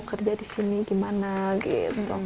kerja di sini gimana gitu